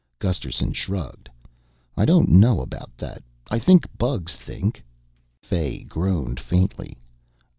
Gusterson shrugged. "I don't know about that. I think bugs think." Fay groaned faintly.